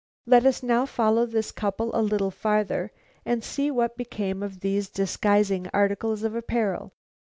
Let us now follow this couple a little farther and see what became of these disguising articles of apparel.